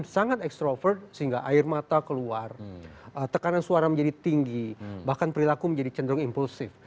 sangat extrovert sehingga air mata keluar tekanan suara menjadi tinggi bahkan perilaku menjadi cenderung impulsif